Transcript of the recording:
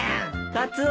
カツオ。